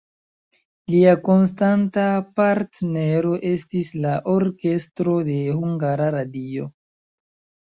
Lia konstanta partnero estis la orkestro de Hungara Radio.